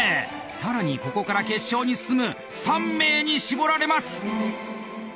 更にここから決勝に進む３名に絞られます！